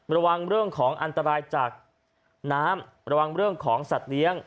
ระวังเรื่องของอันตรายจากน้ำระวังเรื่องของสัตว์เลี้ยง